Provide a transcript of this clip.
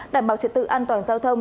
đảm bảo trật tự an toàn giao thông